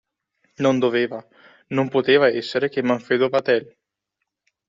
Non doveva, non poteva essere che Manfredo Vatel!